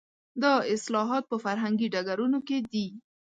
دا اصلاحات په فرهنګي ډګرونو کې دي.